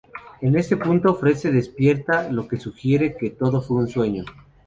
En este punto, Fred se despierta, lo que sugiere que todo fue un sueño.